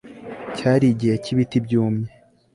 Cyari igihe cyibiti byumye